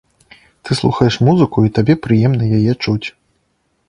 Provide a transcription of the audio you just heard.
Ты слухаеш музыку, і табе прыемна яе чуць.